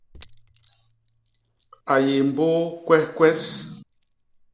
A yé mbôô kwehkwes.